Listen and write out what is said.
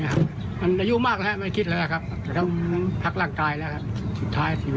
เจ็ดติดบาทป้ากับจากใครก็กลับบ้านไม่ทำอะไรแล้ว